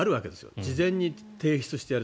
事前に提出して。